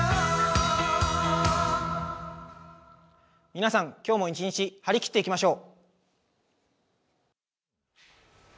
皆さん今日も一日、張り切っていきましょう！